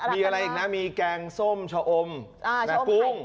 มีอะไรอีกนะมีแกงส้มชะอมนากุ้ง